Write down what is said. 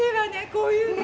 こういうの。